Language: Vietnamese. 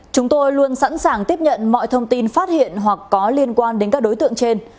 chúng tôi luôn sẵn sàng tiếp nhận mọi thông tin phát hiện hoặc có liên quan đến các đối tượng trên